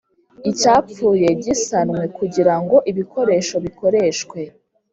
Icyapfuye Gisanwe Kugira Ngo Ibikoresho Bikoreshwe